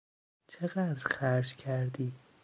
چقدر خرج کردی؟